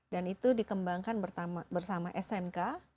dan itu dikembangkan bersama smk